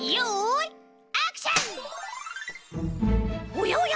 おやおや？